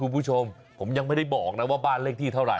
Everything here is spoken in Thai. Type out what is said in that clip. ผมยังไม่ได้บอกนะว่าบ้านเลขที่เท่าไหร่